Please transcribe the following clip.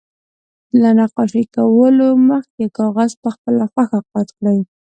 له نقاشي کولو مخکې کاغذ په خپله خوښه قات کړئ.